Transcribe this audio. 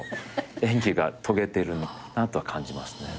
演技がとげてるなとは感じますね。